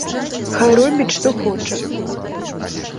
Хай робіць што хоча.